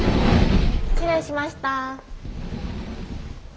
失礼しました。